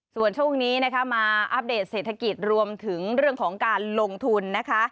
ส่วนช่วงนี้นะคะมาอัปเดตเศรษฐกิจรวมถึงเรื่องของการลงทุนนะคะ